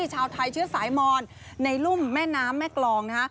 ชาวไทยเชื้อสายมอนในรุ่มแม่น้ำแม่กรองนะฮะ